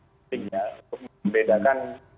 pentingnya untuk membedakan